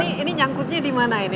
nah ini nyangkutnya dimana ini